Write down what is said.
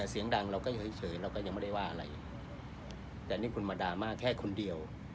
เสียงดังเราก็อยู่เฉยเราก็ยังไม่ได้ว่าอะไรแต่นี่คุณมาดราม่าแค่คนเดียว